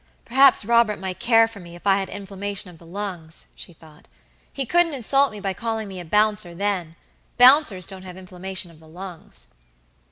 "Perhaps Robert might care for me, if I had inflammation of the lungs," she thought. "He couldn't insult me by calling me a bouncer then. Bouncers don't have inflammation of the lungs."